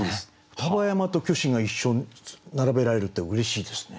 双葉山と虚子が一緒に並べられるってうれしいですね。